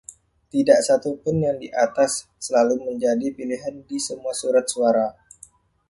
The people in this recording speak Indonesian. Tidak satu pun yang di atas selalu menjadi pilihan di semua surat suara.